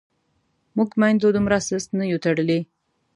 موږ میندو دومره سست نه یو تړلي.